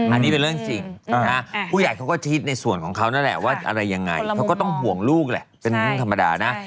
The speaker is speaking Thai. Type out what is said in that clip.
อันนี้เป็นเรื่องจริงผู้ใหญ่เขาก็คิดในส่วนของเขานั่นแหละว่าอะไรยังไงเขาก็ต้องห่วงลูกแหละเป็นเรื่องธรรมดานะ